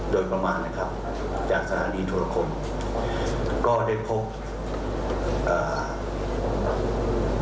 โดยประมาณนะครับจากสถานีโทรคมก็ได้พบอ่า